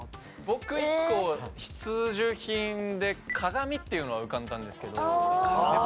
僕１個必需品で鏡っていうのは浮かんだんですけど。